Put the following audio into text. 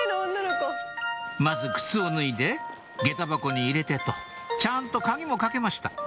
まず靴を脱いでげた箱に入れてとちゃんと鍵も掛けました